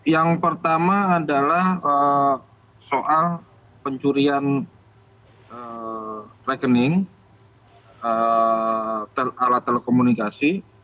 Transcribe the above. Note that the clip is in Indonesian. yang pertama adalah soal pencurian rekening alat telekomunikasi